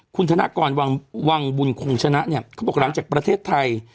คุณธนากรวังบุญคงชนะเนี่ยเขาบอกหลังจากประเทศไทย